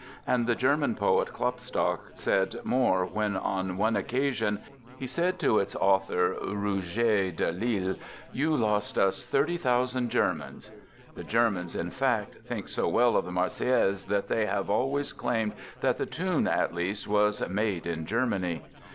And the German poet, Klopstock, said more when on one occasion he said to its author, Rouget de L'Isle: " You lost us 30,000 Germans." The Germans, in fact, think so well of the Marseillaise that they have always claimed that the tune at least was " made in Germany."